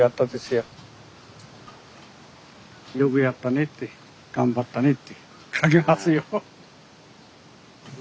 よくやったねって頑張ったねってかけますよ。